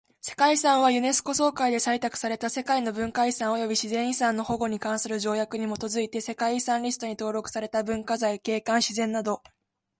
世界遺産はユネスコ総会で採択された世界の文化遺産及び自然遺産の保護に関する条約に基づいて世界遺産リストに登録された文化財、景観、自然など。